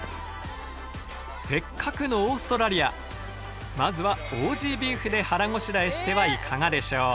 せっかくのオーストラリアまずはオージービーフで腹ごしらえしてはいかがでしょう？